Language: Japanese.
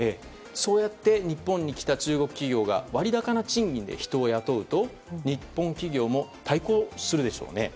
そうやって日本に来た中国企業が割高な賃金で人を雇うと日本企業も対抗するでしょうね。